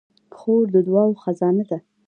خور د دعاوو خزانه ده.